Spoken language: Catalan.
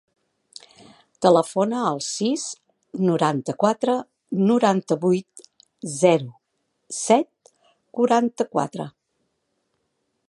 Telefona al sis, noranta-quatre, noranta-vuit, zero, set, quaranta-quatre.